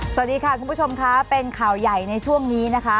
สวัสดีค่ะคุณผู้ชมค่ะเป็นข่าวใหญ่ในช่วงนี้นะคะ